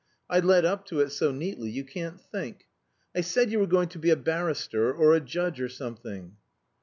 I led up to it so neatly, you can't think. I said you were going to be a barrister or a judge or something."